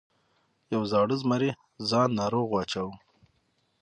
یو زاړه زمري ځان ناروغ واچاوه.